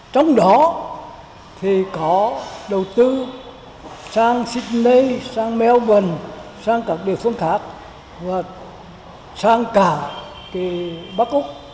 trong đó thì có đầu tư sang sydney sang melbourne sang các địa phương khác và sang cả bắc úc